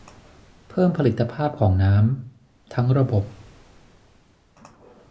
เพิ่มผลิตภาพของน้ำ ทั้งระบบ